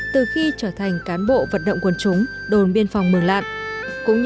từ khi trở thành cán bộ vận động quân chúng đồn biên phòng mường lạn